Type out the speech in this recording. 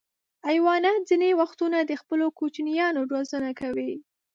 حیوانات ځینې وختونه د خپلو کوچنیانو روزنه کوي.